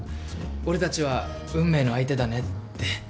俺たちは運命の相手だねって。